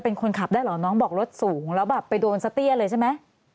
เป็นคนขับได้เหรอน้องบอกรถสูงแล้วแบบไปโดนสะเตี้ยเลยใช่ไหม